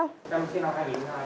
năm sinh năm hai nghìn hai mươi hai